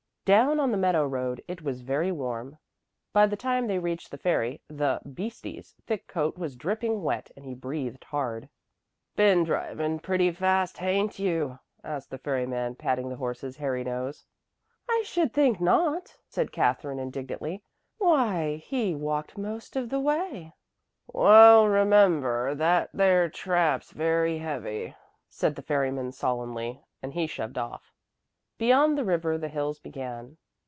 Down on the meadow road it was very warm. By the time they reached the ferry, the "beastie's" thick coat was dripping wet and he breathed hard. "Ben drivin' pretty fast, hain't you?" asked the ferryman, patting the horse's hairy nose. "I should think not," said Katherine indignantly. "Why, he walked most of the way." "Wall, remember that there trap's very heavy," said the ferryman solemnly, as he shoved off. Beyond the river the hills began.